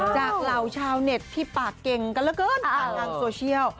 จากเหล่าชาวเน็ตที่ปากเก่งกันแล้วเกินทางทางโซเชียล